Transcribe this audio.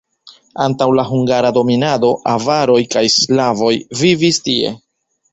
Antaŭ la hungara dominado avaroj kaj slavoj vivis tie.